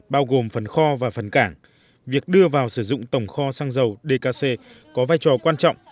bao gồm phần kho và phần cảng việc đưa vào sử dụng tổng kho xăng dầu dkc có vai trò quan trọng